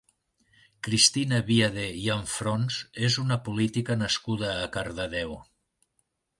Cristina Viader i Anfrons és una política nascuda a Cardedeu.